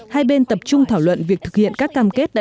hai bên tập trung thảo luận việc thực hiện các cam kết đã được thực hiện